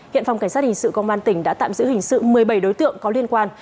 hiện phòng cảnh sát hình sự công an tỉnh đã tạm giữ hình sự một mươi bảy đối tượng có liên quan